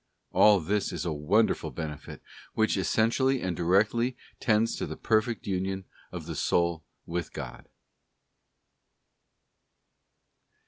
All this is a wonderful benefit which essentially and directly tends to the perfect Union of the soul with God.